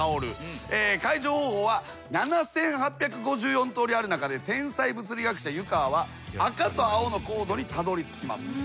解除方法は７，８５４とおりある中で天才物理学者湯川は赤と青のコードにたどりつきます。